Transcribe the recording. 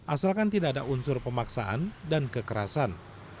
asalkan tidak ada unsur pemaksaan dan kekerasan